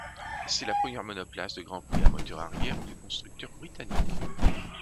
C'est la première monoplace de Grand Prix à moteur arrière du constructeur britannique.